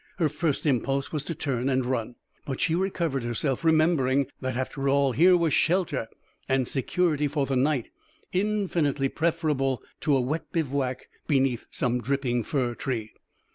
Her first impulse was to turn and run. But she recovered herself, remembering that, after all, here was shelter and security for the night, infinitely preferable to a wet bivouac beneath some dripping fir tree.